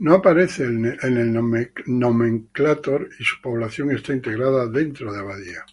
No aparece en el nomenclátor y su población está integrada dentro de Abadía.